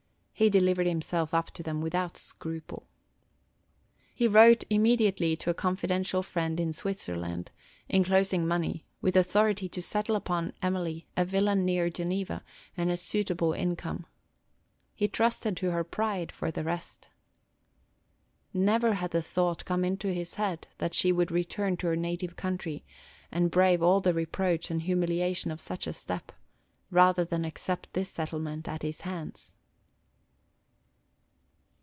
He delivered himself up to them without scruple. He wrote immediately to a confidential friend in Switzerland, enclosing money, with authority to settle upon Emily a villa near Geneva, and a suitable income. He trusted to her pride for the rest. Never had the thought come into his head that she would return to her native country, and brave all the reproach and humiliation of such a step, rather than accept this settlement at his hands.